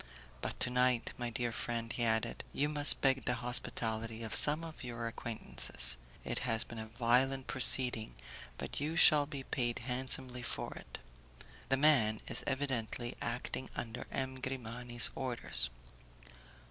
But to night, my dear friend," he added, "you must beg the hospitality of some one of your acquaintances. It has been a violent proceeding, but you shall be paid handsomely for it; the man is evidently acting under M. Grimani's orders."